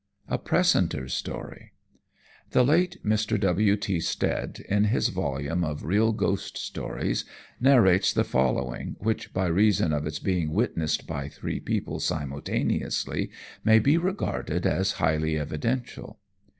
A Precentor's Story The late Mr. W.T. Stead, in his volume of Real Ghost Stories, narrates the following, which by reason of its being witnessed by three people simultaneously, may be regarded as highly evidential.